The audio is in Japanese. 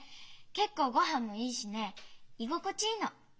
結構御飯もいいしね居心地いいの。